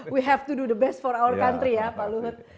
kita harus melakukan yang terbaik untuk negara kita ya pak luhut